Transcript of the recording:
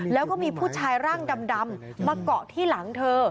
แล้วก็มีผู้ชายร่างดำมาเกาะที่หลังเธอ